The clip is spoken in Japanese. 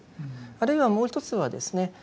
あるいはもう一つはですね